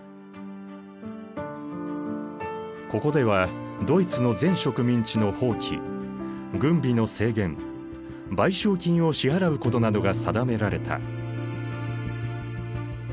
ここではドイツの全植民地の放棄軍備の制限賠償金を支払うことなどが定められた。